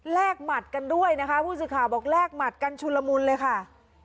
กหมัดกันด้วยนะคะผู้สื่อข่าวบอกแลกหมัดกันชุนละมุนเลยค่ะ